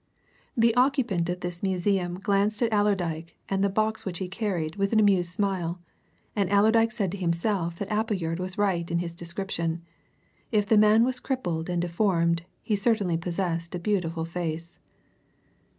The occupant of this museum glanced at Allerdyke and the box which he carried with an amused smile, and Allerdyke said to himself that Appleyard was right in his description if the man was crippled and deformed he certainly possessed a beautiful face.